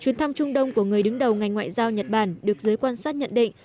chuyến thăm trung đông của người đứng đầu ngành ngoại giao nhật bản được giới quan sát nhận định